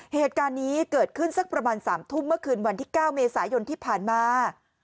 เหตุการณ์นี้เกิดขึ้นสักประมาณ๓ทุ่มเมื่อคืนวันที่๙เมษายนที่ผ่านมา